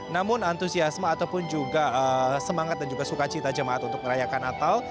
namun antusiasme ataupun juga semangat dan juga sukacita jemaat untuk merayakan natal